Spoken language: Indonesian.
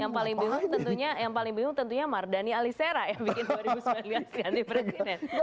yang paling bingung tentunya yang paling bingung tentunya mardani alisera yang bikin dua ribu sembilan belas ganti presiden